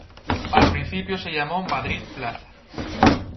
Al principio se llamó Madrid Plaza.